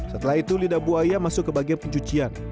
setelah itu lidah buaya masuk ke bagian pencucian